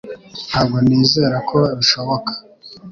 Ntabwo nizera ko bishoboka